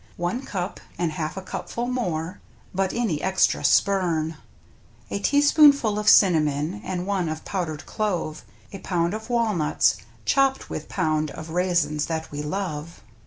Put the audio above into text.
One cup, and half a cupful more — But any extra spurn. A teaspoonful of cinnamon. And one of powdered clove, A pound of walnuts chopped with pound Of raisins that we love.